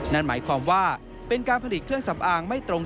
นั่นหมายความว่าเป็นการผลิตเครื่องสำอางไม่ตรง